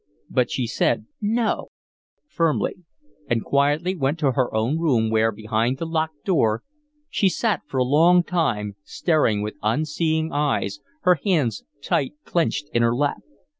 But she said "No" firmly, and quietly went to her own room, where, behind the locked door, she sat for a long time staring with unseeing eyes, her hands tight clenched in her lap.